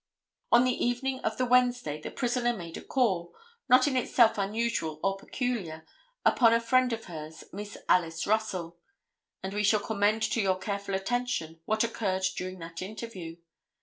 ] On the evening of the Wednesday the prisoner made a call, not in itself unusual or peculiar, upon a friend of hers, Miss Alice Russell, and we shall commend to your careful attention what occurred during that interview.